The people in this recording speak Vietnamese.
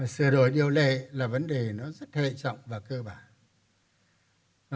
sửa đổi điều lệ là vấn đề nó rất hệ trọng và cơ bản